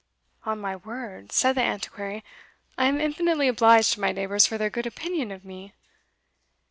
"On my word," said the Antiquary, "I am infinitely obliged to my neighbours for their good opinion of me!